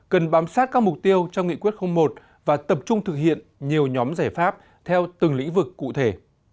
cần bám sát các mục tiêu trong nghị quyết một và tập trung thực hiện nhiều nhóm giải pháp theo từng lĩnh vực cụ thể